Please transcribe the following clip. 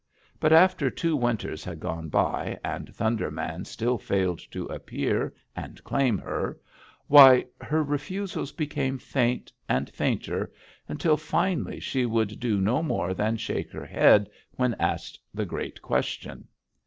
But after two winters had gone by, and Thunder Man still failed to appear and claim her, why, her refusals became faint, and fainter, until, finally, she would do no more than shake her head when asked the great question.